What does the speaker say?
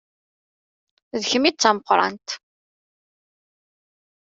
D kemm i d tameqqrant.